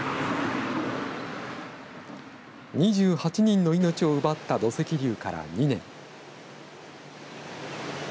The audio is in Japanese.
２８人の命を奪った土石流から２年。